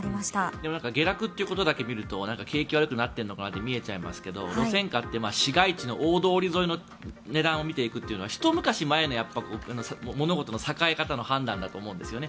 でも下落ということだけ見ると景気悪くなってんのかなって見えちゃいますけど路線価って市街地の大通り沿いの値段を見ていくというのがひと昔前の物事の栄え方の判断だと思うんですよね。